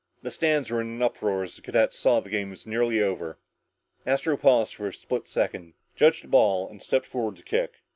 The stands were in an uproar as the cadets saw that the game was nearly over. Astro paused a split second, judged the ball and stepped forward to kick.